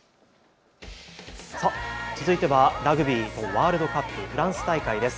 続いてはラグビーのワールドカップ、フランス大会です。